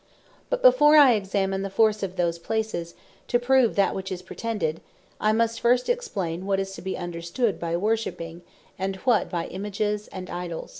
But before I examine the force of those places, to prove that which is pretended, I must first explain what is to be understood by Worshipping, and what by Images, and Idols.